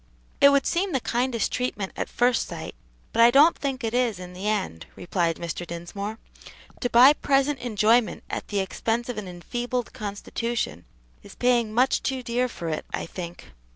"It would seem the kindest treatment at first sight, but I don't think it is in the end," replied Mr. Dinsmore. "To buy present enjoyment at the expense of an enfeebled constitution is paying much too dear for it, I think."